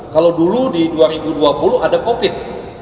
kalau dulu di dua ribu dua puluh ada covid